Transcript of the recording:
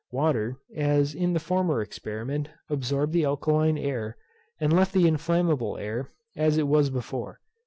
Water, as in the former experiment, absorbed the alkaline air, and left the inflammable air as it was before.